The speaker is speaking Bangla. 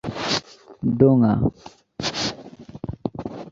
এগুলি বৈদিক সংস্কৃতে লেখা।